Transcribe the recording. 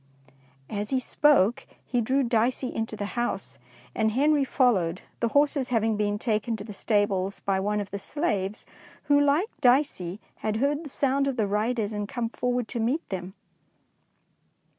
'^ As he spoke, he drew Dicey into the house, and Henry followed, the horses having been taken to the stables by one of the slaves, who, like Dicey, had heard the sound of the riders and come forward to meet them.